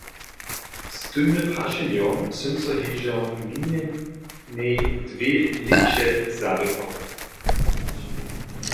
Z tymle prašenjom sym so hižo minjenej dwě lěće zaběrał.